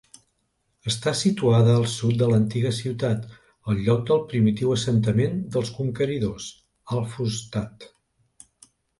Està situada al sud de l'antiga ciutat, al lloc del primitiu assentament dels conqueridors, al-Fustat.